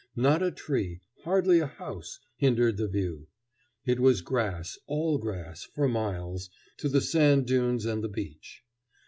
Not a tree, hardly a house, hindered the view. It was grass, all grass, for miles, to the sand dunes and the beach.